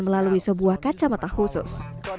melalui sebuah kacamata khusus